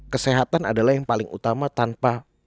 kesehatan adalah yang paling utama tanpa